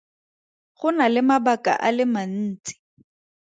Go na le mabaka a le mantsi.